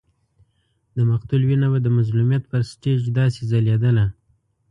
د مقتول وینه به د مظلومیت پر سټېج داسې ځلېدله.